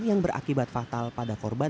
yang berakibat fatal pada korban